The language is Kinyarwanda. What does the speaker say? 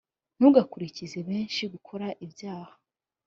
ntugakurikize benshi gukora ibyaha